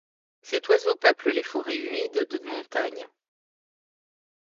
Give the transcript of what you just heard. Cet oiseau peuple les forêts humides de montagne.